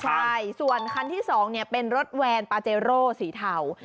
ใช่ส่วนคันที่๒เป็นรถแวนปาเจโร่สีเทา